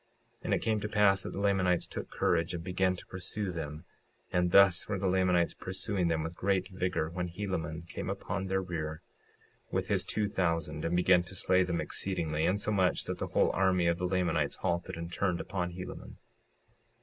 56:52 And it came to pass that the Lamanites took courage, and began to pursue them; and thus were the Lamanites pursuing them with great vigor when Helaman came upon their rear with his two thousand, and began to slay them exceedingly, insomuch that the whole army of the Lamanites halted and turned upon Helaman.